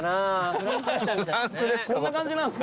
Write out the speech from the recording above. こんな感じなんですか？